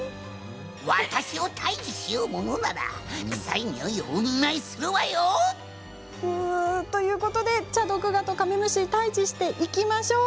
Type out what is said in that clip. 私を退治しようものなら臭いにおいをお見舞いするわよ！ということでチャドクガとカメムシ退治していきましょう。